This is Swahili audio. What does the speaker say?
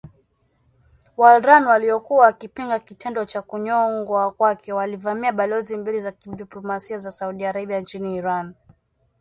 WaIran waliokuwa wakipinga kitendo cha kunyongwa kwake, walivamia balozi mbili za kidiplomasia za Saudi Arabia nchini Iran.